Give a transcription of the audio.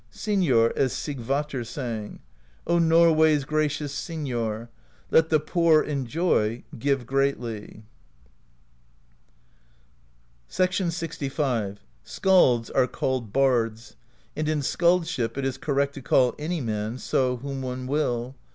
Signor, as Sigvatr sang: O Norway's gracious Signor, Let the poor enjoy; give greatly/ LXV. "Skalds are called bards; and in skaldship it is correct to call any man so whom one will.